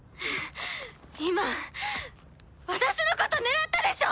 今私のこと狙ったでしょ